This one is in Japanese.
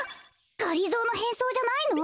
がりぞーのへんそうじゃないの？